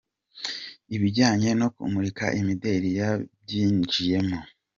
Ibijyanye no kumurika imideli yabyinjijemo.